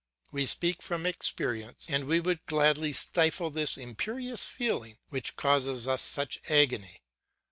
We speak from experience, and we would gladly stifle this imperious feeling which causes us such agony.